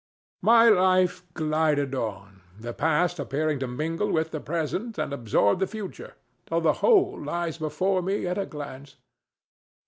My life glided on, the past appearing to mingle with the present and absorb the future, till the whole lies before me at a glance.